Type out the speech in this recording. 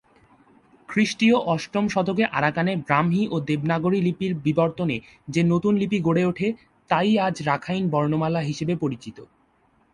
খ্রিষ্টীয় অষ্টম শতকে আরাকানে ব্রাহ্মী ও দেবনাগরী লিপির বিবর্তনে যে নতুন লিপি গড়ে ওঠে, তাই আজ রাখাইন বর্ণমালা হিসেবে পরিচিত।